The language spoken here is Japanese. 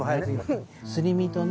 すり身とね